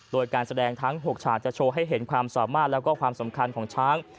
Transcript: โดยการแสดงทั้ง๖ฉากจะโชว์ให้เห็นความสามารถแล้วก็ความสำคัญของช้าง